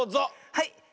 はい。